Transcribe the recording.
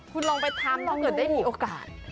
คุณลองไปทำถ้าเกิดได้มีโอกาส